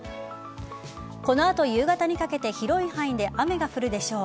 この後、夕方にかけて広い範囲で雨が降るでしょう。